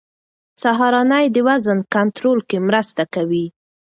سهارنۍ د وزن کنټرول کې مرسته کوي.